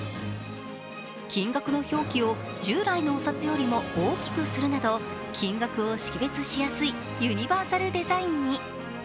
金額の表記を従来のお札よりも大きくするなど、金額を識別しやすいユニバーサルデザインに。